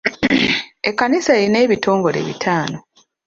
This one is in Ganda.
Ekkanisa erina ebitongole bitaano.